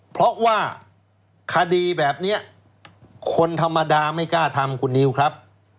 เพราะว่าคดีแบบนี้คนธรรมดาไม่กล้าทำคุณนิวครับ